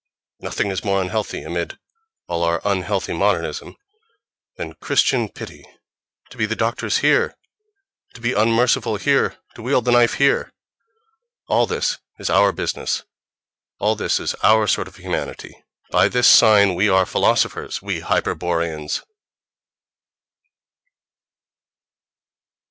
Nothing is more unhealthy, amid all our unhealthy modernism, than Christian pity. To be the doctors here, to be unmerciful here, to wield the knife here—all this is our business, all this is our sort of humanity, by this sign we are philosophers, we Hyperboreans!